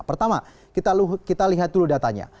pertama kita lihat dulu datanya